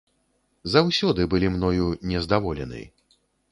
Заўсёды былі мною нездаволены.